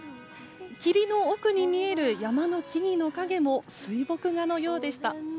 霧の奥に見える山の木々の影も水墨画のようでした。